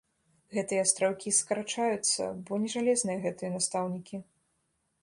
Гэтыя астраўкі скарачаюцца, бо не жалезныя гэтыя настаўнікі.